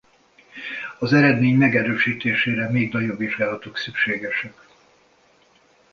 Az eredmény megerősítésére még nagyobb vizsgálatok szükségesek.